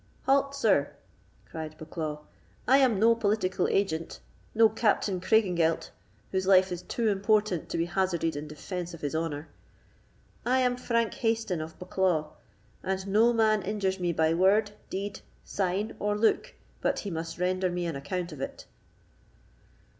"Halt, sir," cried Bucklaw; "I am no political agent—no Captain Craigengelt, whose life is too important to be hazarded in defence of his honour. I am Frank Hayston of Bucklaw, and no man injures me by word, deed, sign, or look, but he must render me an account of it."